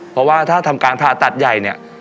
เพราะว่าถ้าทำการผ่าตัดใหญ่เนี่ย